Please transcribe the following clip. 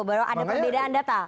baru ada perbedaan data